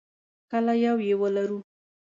کله یو یې ولرو.